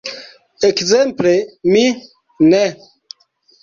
Ekzemple mi ne.